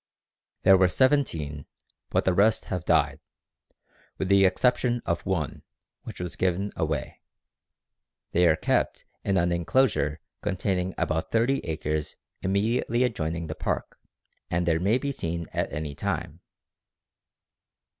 There were seventeen, but the rest have died, with the exception of one, which was given away. They are kept in an inclosure containing about 30 acres immediately adjoining the park, and there may be seen at any time.